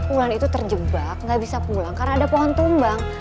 ular itu terjebak nggak bisa pulang karena ada pohon tumbang